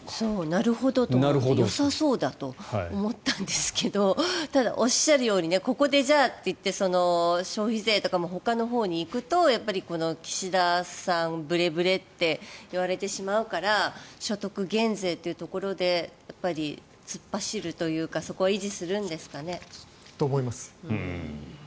なるほどと思ってよさそうと思ったんですがただ、おっしゃるようにここで、じゃあといって消費税とかほかのほうに行くと岸田さん、ブレブレって言われてしまうから所得減税というところで突っ走るというかそこは維持するんですかね？と思います。